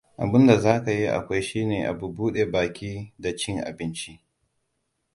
Abun da zaka yi kawai shine bude baƙi da ci abinci.